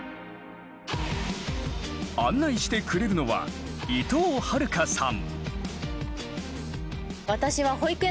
案内してくれるのは伊藤大佳さん。